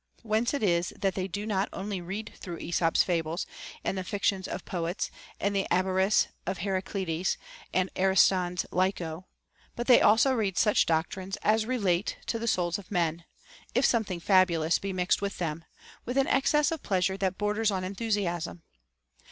Whence it is that they do not only read through Esop's fables and the fictions of poets and the Abaris of Hera clides and Ariston's Lyco ; but they also read such doctrines as relate to the souls of men, if something fabulous be mixed with them, with an excess of pleasure that borders on enthusiasm.